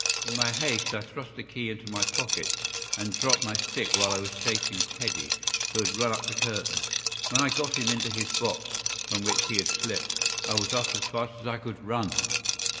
In my haste I thrust the key into my pocket, and dropped my stick while I was chasing Teddy, who had run up the curtain. When I got him into his box, from which he had slipped, I was off as fast as I could run."